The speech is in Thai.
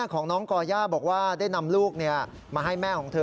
ของน้องก่อย่าบอกว่าได้นำลูกมาให้แม่ของเธอ